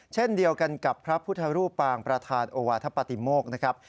เช่นเดียวกันกับพระพุทธรูปปางประธานโอวาธปฏิโมกนะครับ